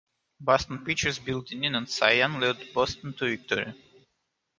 Boston pitchers Bill Dinneen and Cy Young led Boston to victory.